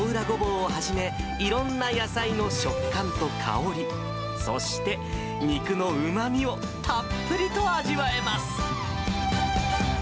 あのおううらごぼうをはじめ、いろんな野菜の食感と香り、そして肉のうまみをたっぷりと味わえます。